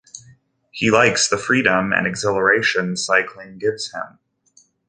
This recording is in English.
He likes the freedom and exhilaration cycling gives him.